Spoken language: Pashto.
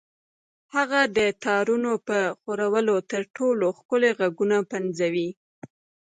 هغه د تارونو په ښورولو تر ټولو ښکلي غږونه پنځوي